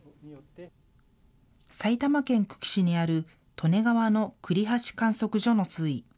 埼玉県久喜市にある利根川の栗橋観測所の水位。